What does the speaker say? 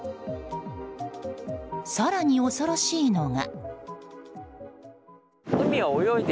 更に、恐ろしいのが。